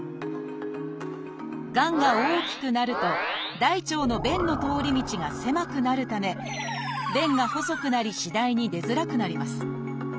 がんが大きくなると大腸の便の通り道が狭くなるため便が細くなり次第に出づらくなります。